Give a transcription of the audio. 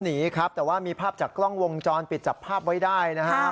หนีครับแต่ว่ามีภาพจากกล้องวงจรปิดจับภาพไว้ได้นะครับ